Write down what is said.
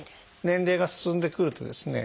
年齢が進んでくるとですね